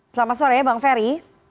selamat sore bang ferry